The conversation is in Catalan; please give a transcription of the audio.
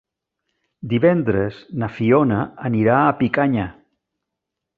Divendres na Fiona anirà a Picanya.